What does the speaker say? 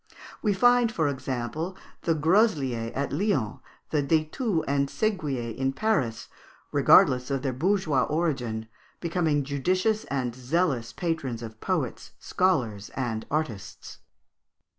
We find, for example, the Grosliers at Lyons, the De Thous and Seguiers in Paris, regardless of their bourgeois origin, becoming judicious and zealous patrons of poets, scholars, and artists.